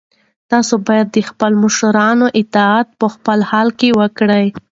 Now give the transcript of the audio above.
تاسو باید د خپلو مشرانو اطاعت په هر حال کې وکړئ.